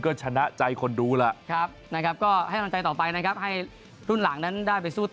ก็ชนะใจคนดูแล้วครับนะครับก็ให้กำลังต่อไปนะครับหลุ่นหลังนั้นได้ไปซุ